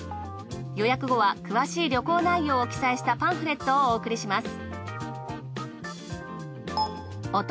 予約後は詳しい旅行内容を記載したパンフレットをお送りします